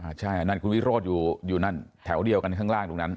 ใช่อันนั้นคุณวิโรธอยู่นั่นแถวเดียวกันข้างล่างตรงนั้น